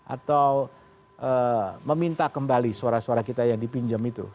atau meminta kembali suara suara kita yang dipinjam itu